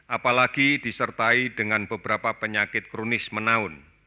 apalagi disertai dengan beberapa penyakit kronis menaun